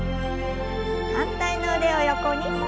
反対の腕を横に。